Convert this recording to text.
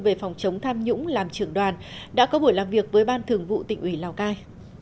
về phòng chống tham nhũng làm trưởng đoàn đã có buổi làm việc với ban thường vụ tỉnh ủy lào cai